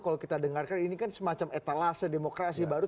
kalau kita dengarkan ini kan semacam etalase demokrasi baru